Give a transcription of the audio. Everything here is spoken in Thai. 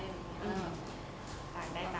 อย่างเงี้ยค่ะ